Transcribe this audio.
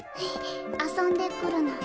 遊んでくるの。